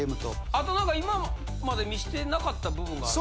あと何か今まで見せてなかった部分がある。